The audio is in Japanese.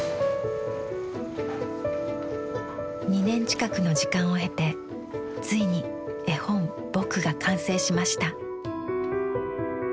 ２年近くの時間を経てついに絵本「ぼく」が完成しました。